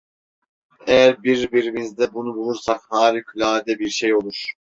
Eğer birbirimizde bunu bulursak harikulade bir şey olur…